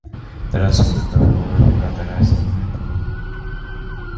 Նրանցում գտնվող բոլոր վիբրատորները սնվում են փուլում։